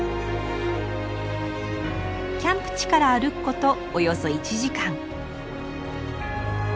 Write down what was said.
キャンプ地から歩くことおよそ１時間。